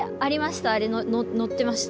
あれ乗ってました。